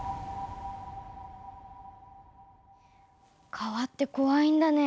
川ってこわいんだね。